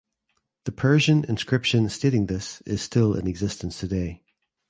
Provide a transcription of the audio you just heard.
The Persian inscription stating this is still in existence today.